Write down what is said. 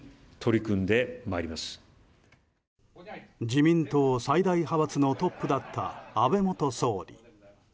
自民党最大派閥のトップだった安倍元総理。